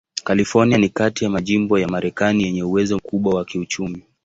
California ni kati ya majimbo ya Marekani yenye uwezo mkubwa wa kiuchumi.